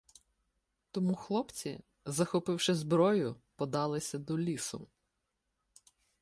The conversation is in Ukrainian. Тому хлопці, захопивши зброю, подалися до лісу.